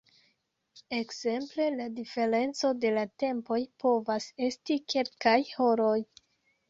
Ekzemple la diferenco de la tempoj povas esti kelkaj horoj.